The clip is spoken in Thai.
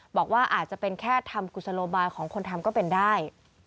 บอกว่าอาจจะเป็นแค่ทำกุศโลบายของคนทำก็เป็นได้